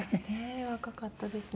若かったですね。